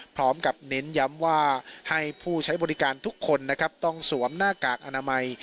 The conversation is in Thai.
พร้อมกับเน้นย้ำว่าให้ผู้ใช้บริการทุกคนนะครับต้องสวมหน้ากากอนามัย